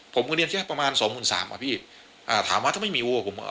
ผมคือเนี้ยแค่ประมาณสองหมื่นสามอ่าพี่อ่าถามมาจะไม่มี